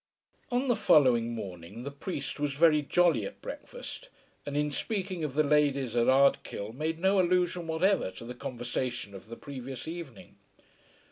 On the following morning the priest was very jolly at breakfast, and in speaking of the ladies at Ardkill made no allusion whatever to the conversation of the previous evening.